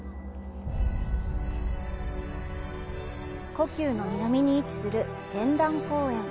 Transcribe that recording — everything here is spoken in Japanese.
故宮の南に位置する「天壇公園」。